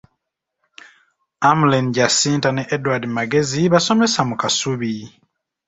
Amlen Jacinta ne Edward Magezi basomesa mu Kasubi